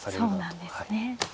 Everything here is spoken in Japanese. そうなんですね。